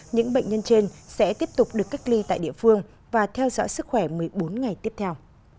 những bệnh nhân trên sẽ tiếp tục được cách ly tại địa phương và theo dõi sức khỏe một mươi bốn ngày tiếp theo